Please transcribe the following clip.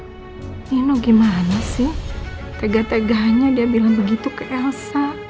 elsa ini gimana sih tegak tegaknya dia bilang begitu ke elsa